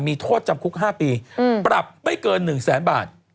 มีโทษจำคุก๕ปีปรับไม่เกิน๑แสนบาท